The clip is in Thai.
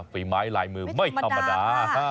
ฝีไม้ลายมือไม่ธรรมดา